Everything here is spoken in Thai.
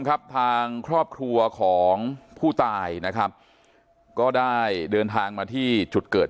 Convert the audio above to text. ครับทางครอบครัวของผู้ตายนะครับก็ได้เดินทางมาที่จุดเกิด